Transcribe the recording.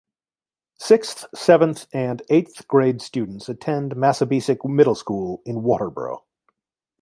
Sixth, seventh and eighth grade students attend Massabesic Middle School in Waterboro.